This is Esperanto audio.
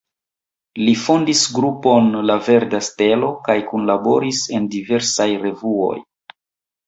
Li fondis grupon la „Verda Stelo“ kaj kunlaboris en diversaj revuoj.